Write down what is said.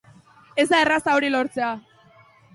Ez da erraza hori lortzea.